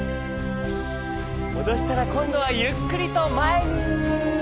もどしたらこんどはゆっくりとまえに。